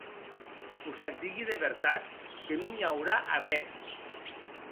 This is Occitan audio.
Vos ac digui de vertat, que non i aurà arrés.